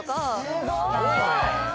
すごい！